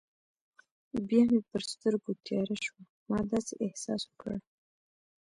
بیا مې پر سترګو تیاره شوه، ما داسې احساس وکړل.